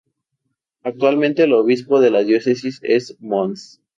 Actualmente el obispo de la Diócesis es Mons.